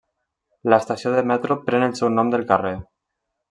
L'estació de metro pren el seu nom del carrer.